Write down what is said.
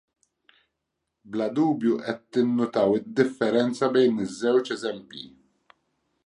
Bla dubju qed tinnutaw id-differenza bejn iż-żewġ eżempji.